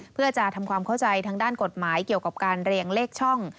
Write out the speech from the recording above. เพื่อจะทำความเข้าใจทางด้านกฎหมายเกี่ยวกับการเรียงเลขช่อง